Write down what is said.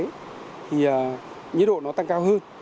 thì nhiệt độ nó tăng cao hơn